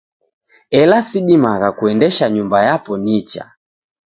Ela sidimagha kuendesha nyumba yapo nicha.